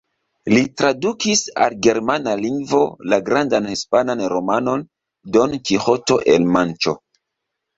Li tradukis al germana lingvo la grandan hispanan romanon Don Kiĥoto el Manĉo.